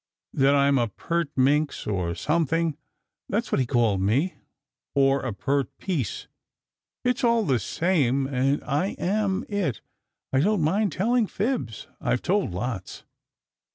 "That I m a pert minx or something. That s what he called me or a pert piece. It s all the same thing. And I am it. I don t mind telling fibs. I ve told lots."